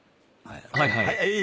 はいはい。